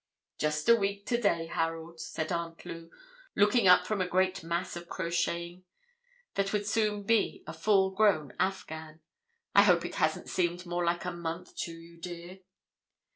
"Just a week to day, Harold," said Aunt Lou, looking up from a great mass of crocheting, that would soon be a full grown afghan; "I hope it hasn't seemed more like a month to you, dear."